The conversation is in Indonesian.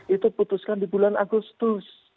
itu putuskan di bulan agustus